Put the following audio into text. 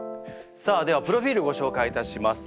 さあではプロフィールご紹介いたします。